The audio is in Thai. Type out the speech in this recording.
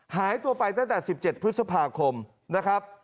หายตัวไปตั้งแต่๑๗พฤษภาคมนะครับ